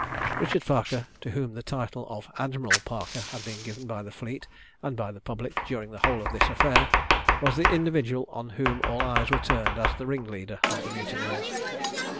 Richard Parker, to whom the title of Admiral Parker had been given by the fleet and by the public during the whole of this affair, was the individual on whom all eyes were turned as the ringleader of the mutineers.